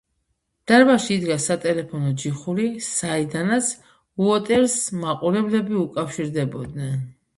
დარბაზში იდგა სატელეფონო ჯიხური, საიდანაც უოტერსს მაყურებლები უკავშირდებოდნენ.